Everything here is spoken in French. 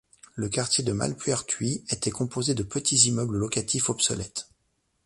Le quartier de Malpertuis était composé de petits immeubles locatifs obsolètes.